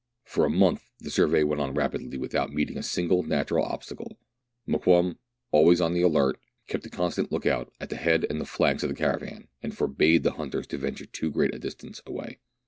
For a month the survey went on rapidly, without meeting a single natural obstacle. Mokoum, always on the alert, kept a constant look out at the head and flanks of the caravan, and forbade the hunters to venture too great a distance away.